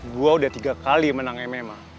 gue udah tiga kali menang